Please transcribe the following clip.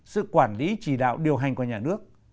sự quản lý chỉ đạo điều hành của nhà nước